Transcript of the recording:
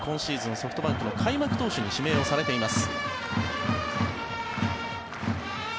ソフトバンクの開幕投手に指名されています。